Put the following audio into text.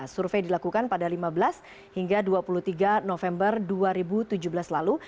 survei dilakukan pada lima belas hingga dua puluh tiga november dua ribu tujuh belas lalu